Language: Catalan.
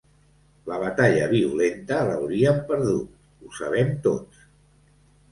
La batalla violenta l'hauríem perdut, ho sabem tots.